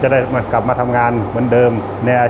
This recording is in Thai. สวัสดีครับผมชื่อสามารถชานุบาลชื่อเล่นว่าขิงถ่ายหนังสุ่นแห่ง